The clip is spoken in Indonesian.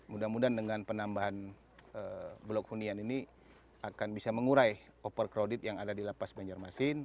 mudah mudahan dengan penambahan blok hunian ini akan bisa mengurai overcrowded yang ada di lapas banjarmasin